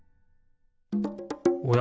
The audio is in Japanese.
おや？